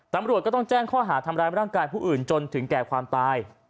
ตำรวจก็ต้องแจ้งข้อหาทำร้ายร่างกายผู้อื่นจนถึงแก่ความตาย